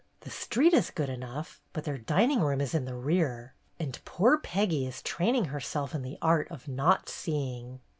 The street is good enough, but their dining room is in the rear, and poor Peggy is training herself in the art of not seeing.